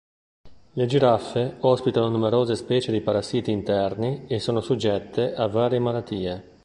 Le giraffe ospitano numerose specie di parassiti interni e sono soggette a varie malattie.